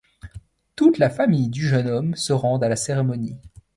Toute la famille du jeune homme se rend à la cérémonie.